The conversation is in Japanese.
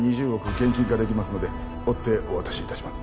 現金化できますので追ってお渡しいたします